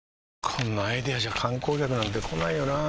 こんなアイデアじゃ観光客なんて来ないよなあ